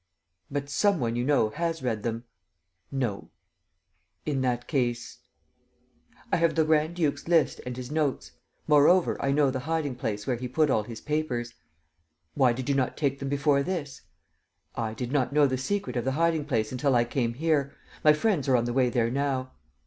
"But some one you know has read them?" "No." "In that case ..." "I have the grand duke's list and his notes. Moreover, I know the hiding place where he put all his papers." "Why did you not take them before this?" "I did not know the secret of the hiding place until I came here. My friends are on the way there now."